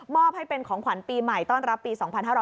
อบให้เป็นของขวัญปีใหม่ต้อนรับปี๒๕๕๙